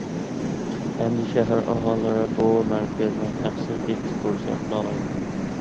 ئەمدى شەھەر ئاھالىلىرى بۇ مەركەزنى ھەقسىز ئېكسكۇرسىيە قىلالايدۇ.